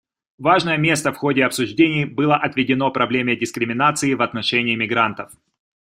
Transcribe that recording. Важное место в ходе обсуждений было отведено проблеме дискриминации в отношении мигрантов.